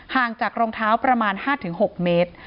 ห่างจากรองเท้าประมาณ๕๖เมตร